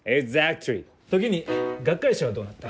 時に学会誌はどうなった？